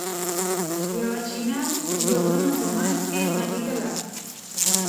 یوه چینه د غرونو په منځ کې بهېدله.